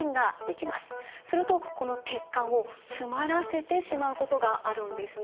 するとこの血管を詰まらせてしまうことがあるんですね。